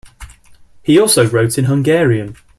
He also wrote in Hungarian.